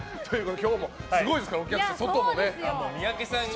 今日もすごいですからお客さんが。